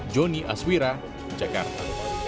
joni aswira jakarta